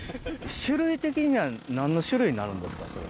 種類的には何の種類になるんですか？